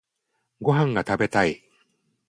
ご飯が食べたい。